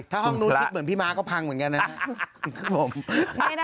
ถ้าห้องนู้นคิดเหมือนพี่ม้าก็พังเหมือนกันนะครับผม